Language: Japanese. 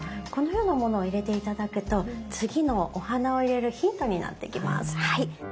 このようなものを入れて頂くと次のお花を入れるヒントになってきます。